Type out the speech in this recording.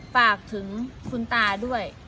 ฝากถึงคุณตาด้วย